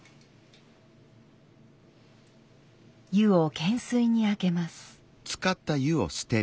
湯を建水にあけます。